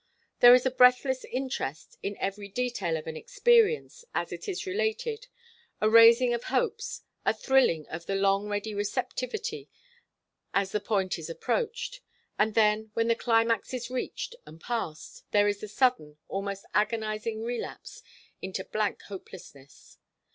There is a breathless interest in every detail of an 'experience' as it is related, a raising of hopes, a thrilling of the long ready receptivity as the point is approached; and then, when the climax is reached and past, there is the sudden, almost agonizing relapse into blank hopelessness.